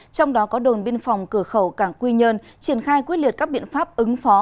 trong đó có đồn biên phòng cửa khẩu cảng quy nhơn triển khai quyết liệt các biện pháp ứng phó